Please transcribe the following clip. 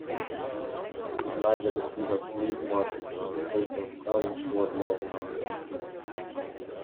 It lies at the foot of Slieve Martin on the coast of Carlingford Lough.